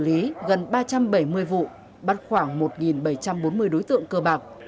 ý gần ba trăm bảy mươi vụ bắt khoảng một bảy trăm bốn mươi đối tượng cơ bạc